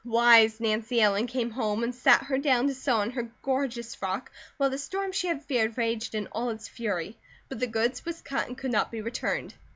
Wise Nancy Ellen came home and sat her down to sew on her gorgeous frock, while the storm she had feared raged in all its fury; but the goods was cut, and could not be returned.